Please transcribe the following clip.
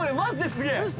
すげえ！